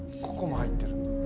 ここも入ってる。